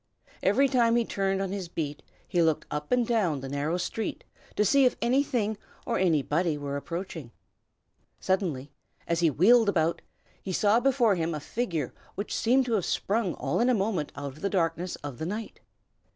Every time he turned on his beat, he looked up and down the narrow street to see if anything or anybody were approaching. Suddenly, as he wheeled about, he saw before him a figure which seemed to have sprung all in a moment out of the blackness of the night.